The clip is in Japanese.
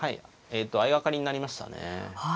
相掛かりになりましたね。